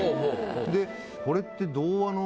でこれって。